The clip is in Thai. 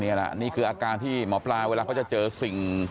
นี่คืออาการที่หมอปลาเวลาเขาจะเจอสิ่ง